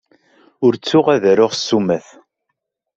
Ur ttuɣ ad aruɣ ssumat.